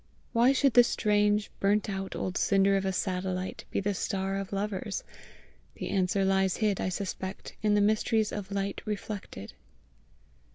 Why should the strange, burnt out old cinder of a satellite be the star of lovers? The answer lies hid, I suspect, in the mysteries of light reflected.